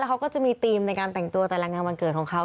เขาก็จะมีธีมในการแต่งตัวแต่ละงานวันเกิดของเขา